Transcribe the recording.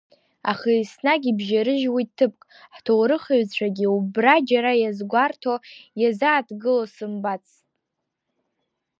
Аха еснагь ибжьарыжьуеит ҭыԥк, ҳҭоурыхҩҩцәагьы убри џьара иазгәарҭо, иазааҭгыло сымбацт…